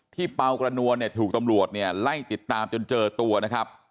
เปล่ากระนวลเนี่ยถูกตำรวจเนี่ยไล่ติดตามจนเจอตัวนะครับ